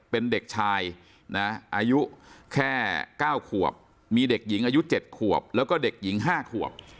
เป็นเด็กชายนะอายุแค่๙ขวบมีเด็กหญิงอายุ๗ขวบแล้วก็เด็กหญิง๕ขวบ